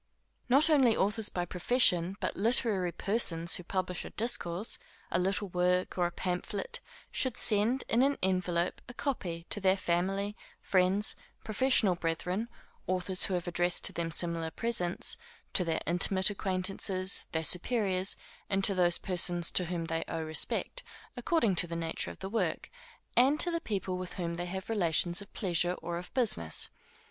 Not only authors by profession, but literary persons who publish a discourse, a little work, or a pamphlet, should send, in an envelope, a copy to their family, friends, professional brethren, authors who have addressed to them similar presents, to their intimate acquaintances, their superiors, and to those persons to whom they owe respect according to the nature of the work, and to the people with whom they have relations of pleasure, or of business.